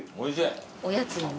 おやつにね。